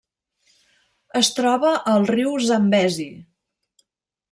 Es troba al riu Zambezi.